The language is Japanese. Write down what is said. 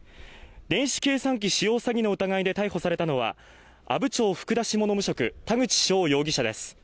電子計算機使用詐欺の疑いで逮捕されたのは阿武町の田口翔容疑者です。